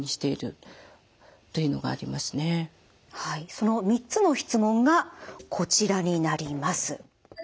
その３つの質問がこちらになります。